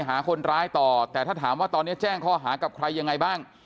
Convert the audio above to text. หาคนร้ายต่อแต่ถ้าถามว่าตอนนี้แจ้งข้อหากับใครยังไงบ้าง